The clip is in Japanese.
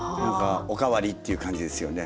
お代わりっていう感じですよね。